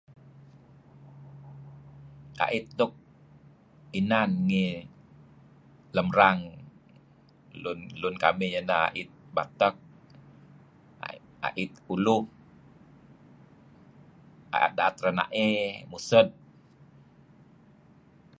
Ait nuk inan ngi lang rang lun kamih neh ait batek, mait uluh, daet-daet renaey, mused.